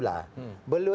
beliau ini kan ada masalah